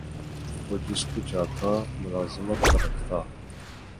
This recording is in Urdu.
وہ جس کو چاہتا ملازمت پر رکھتا